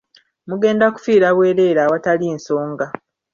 Mugenda kufiira bwereere awatali nsonga.